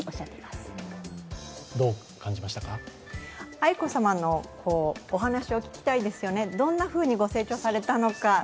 愛子さまのお話を聞きたいですよね、どんなふうにご成長されたのか。